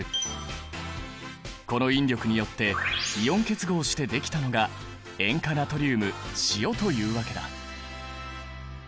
この引力によってイオン結合してできたのが塩化ナトリウム塩というわけだ。